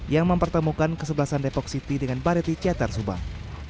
yang mempertemukan kesebelasan depok city dengan barat tijatar subang